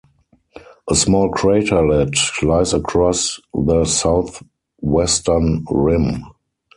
A small craterlet lies across the southwestern rim.